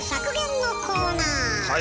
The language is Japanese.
はい。